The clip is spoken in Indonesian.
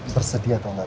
tersedia atau gak